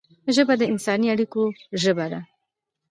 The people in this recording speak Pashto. ژبه د انساني اړیکو ژبه ده